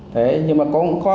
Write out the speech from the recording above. thế nhưng mà cũng có